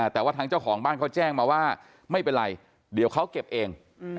แต่ว่าทางเจ้าของบ้านเขาแจ้งมาว่าไม่เป็นไรเดี๋ยวเขาเก็บเอง